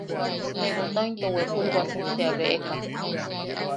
Legotau into bwepul wasuktia beʼeka.